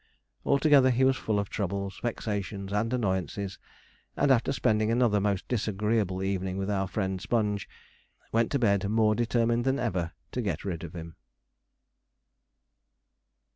Altogether he was full of troubles, vexations, and annoyances; and after spending another most disagreeable evening with our friend Sponge, went to bed more determined than ever to get rid of him.